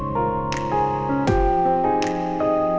sini kita mulai mencoba